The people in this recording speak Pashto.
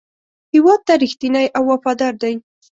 هېواد ته رښتینی او وفادار دی.